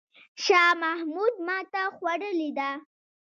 شاه محمود ماته خوړلې ده.